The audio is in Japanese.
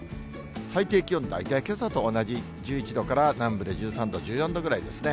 最低気温、大体けさと同じ、１１度から、南部で１３度から１４度ぐらいですね。